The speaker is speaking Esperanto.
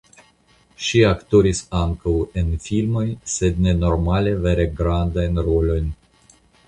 Ŝi aktoris ankaŭ en filmoj sed ne normale vere grandajn rolojn.